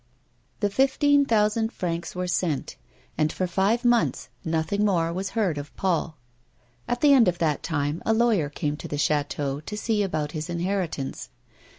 The fifteen thousand francs were sent, and for five months nothing more was heard of Paul. At the end of that time a lawyer came to the chateau to see about his inheritance.